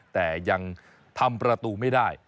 แต่ยังทำประตูไม่ได้